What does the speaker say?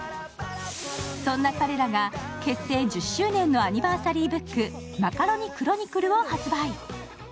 そんな彼らが結成１０周年のアニバーサリーブック、「マカロニくろにくる」を発売。